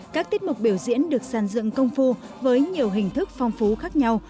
các tiết mục biểu diễn được sàn dựng công phu với nhiều hình thức phong phú khác nhau